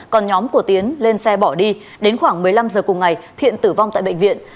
còn nhóm của tiến lên xe bỏ đi đến khoảng một mươi năm giờ cùng ngày thiện tử vong tại bệnh viện